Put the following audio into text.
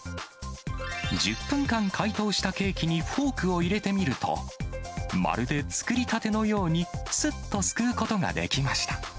１０分間解凍したケーキに、フォークを入れてみると、まるで作り立てのように、すっとすくうことができました。